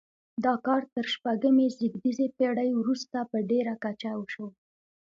دا کار تر شپږمې زېږدیزې پیړۍ وروسته په ډیره کچه وشو.